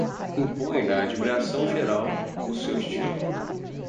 Impõem-na à admiração geral o seu Estilo.